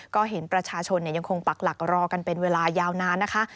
ก็เห็นประชาชนยังคงปักหลักรอกันเป็นเวลายาวนานนะคะ